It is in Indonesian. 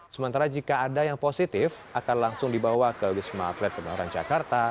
sementara jika ada yang positif akan langsung dibawa ke wisma atlet kemayoran jakarta